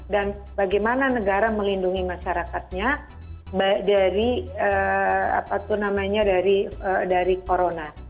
dan bagaimana negara melindungi masyarakatnya dari corona